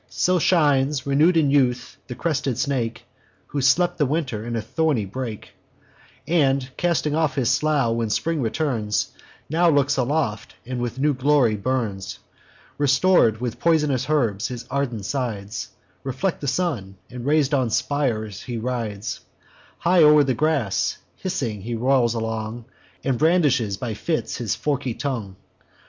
So shines, renew'd in youth, the crested snake, Who slept the winter in a thorny brake, And, casting off his slough when spring returns, Now looks aloft, and with new glory burns; Restor'd with poisonous herbs, his ardent sides Reflect the sun; and rais'd on spires he rides; High o'er the grass, hissing he rolls along, And brandishes by fits his forky tongue.